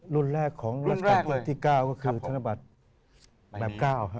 รุ่นแรกของรัชกาลที่๙ก็คือธนบัตรแบบ๙